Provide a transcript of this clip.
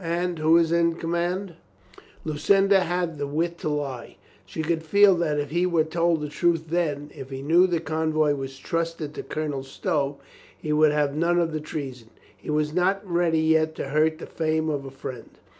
"And who is in command?" Lucinda had the wit to lie. She could feel that if he were told the truth then, if he knew the con voy were trusted to Colonel Stow, he would have none of the treason. He was not ready yet to hurt the fame of his friend.